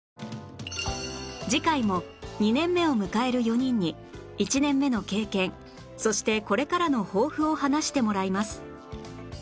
次回も２年目を迎える４人に１年目の経験そしてこれからの抱負を話してもらいます